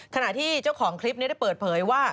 ขณะที่เจ้าของคลิปนี้ได้เปิดเผยว่า